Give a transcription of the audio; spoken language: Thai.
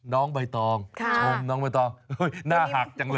น้องใบตองชมน้องใบตองหน้าหักจังเลย